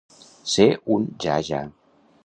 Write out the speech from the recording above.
Ser un ja-ja.